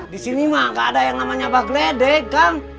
di sini mah gak ada yang namanya bak gelede kang